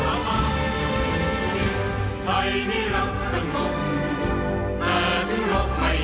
สัญลักษณ์เหนืออย่าเป็นชาติผู้หลี